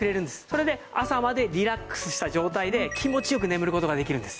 それで朝までリラックスした状態で気持ち良く眠る事ができるんです。